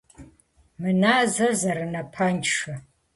- Мы назэр зэрынапэншэ!